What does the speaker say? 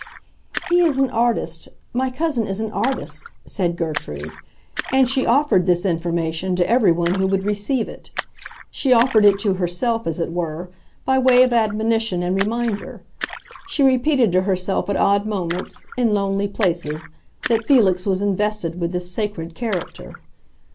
"He is an artist—my cousin is an artist," said Gertrude; and she offered this information to everyone who would receive it. She offered it to herself, as it were, by way of admonition and reminder; she repeated to herself at odd moments, in lonely places, that Felix was invested with this sacred character.